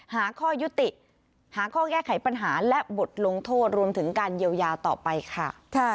หาข้อยุติหาข้อแก้ไขปัญหาและบทลงโทษรวมถึงการเยียวยาต่อไปค่ะ